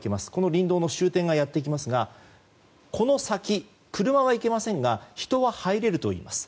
林道の終点がやってきますがこの先、車はいけませんが人は入れるといいます。